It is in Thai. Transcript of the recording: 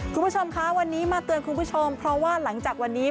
คุณผู้ชมคะวันนี้มาเตือนคุณผู้ชมเพราะว่าหลังจากวันนี้